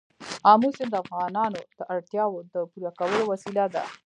آمو سیند د افغانانو د اړتیاوو د پوره کولو وسیله ده.